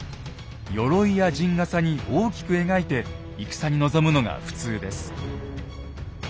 よろいや陣がさに大きく描いて戦に臨むのが普通です。